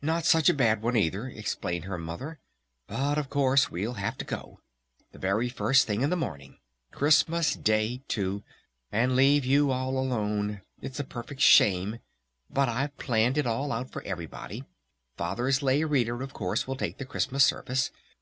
"Not such a bad one, either," explained her Mother. "But of course we'll have to go! The very first thing in the morning! Christmas Day, too! And leave you all alone! It's a perfect shame! But I've planned it all out for everybody! Father's Lay Reader, of course, will take the Christmas service!